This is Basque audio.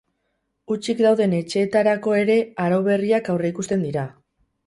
Hutsik dauden etxeetarako ere arau berriak aurreikusten dira.